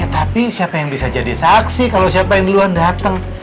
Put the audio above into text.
tapi siapa yang bisa jadi saksi kalau siapa yang duluan datang